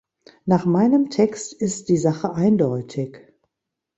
Nach meinem Text ist die Sache eindeutig.